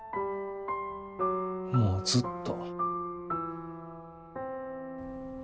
もうずっと。